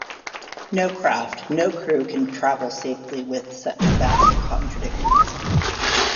No craft, no crew can travel safely with such vast contradictions.